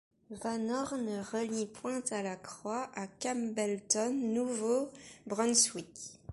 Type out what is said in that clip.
Van Horne relie Pointe-à-la-Croix à Campbellton, Nouveau-Brunswick.